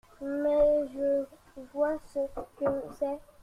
Mais je vois ce que c’est…